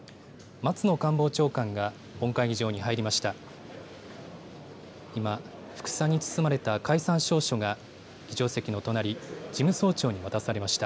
松野官房長官が、本会議場に入りました。